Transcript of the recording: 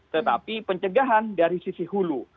tetapi pencegahan dari sisi hulu